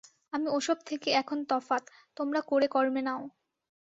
আমি ও-সব থেকে এখন তফাত, তোমরা করে-কর্মে নাও।